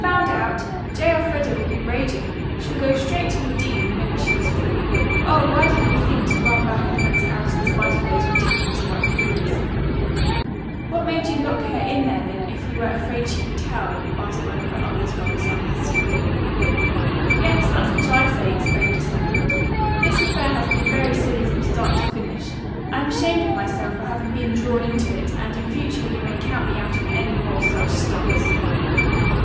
"Found out! J. Elfreda will be raging. She'll go straight to the dean, the minute she is free. Oh, why didn't we think to run back and let her out in spite of those ridiculous white figures?" "What made you lock her in there, then, if you were afraid she'd tell?" asked one of the others rather sarcastically. "Yes, that's what I say!" exclaimed a second. "This affair has been very silly from start to finish. I'm ashamed of myself for having been drawn into it, and in future you may count me out of any more such stunts."